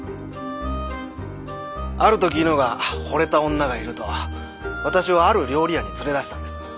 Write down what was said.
ある時猪之がほれた女がいると私をある料理屋に連れ出したんです。